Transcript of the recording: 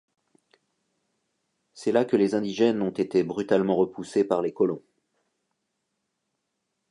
C’est là que les indigènes ont été brutalement repoussés par les colons.